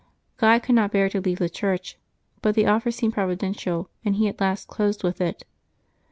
Guy could not bear to leave the church; but the offer seemed providential, and he at last closed with it.